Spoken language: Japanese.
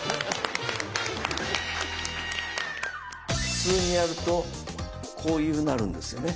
普通にやるとこういうふうになるんですよね。